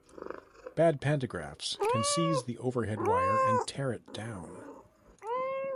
Bad pantographs can seize the overhead wire and tear it down.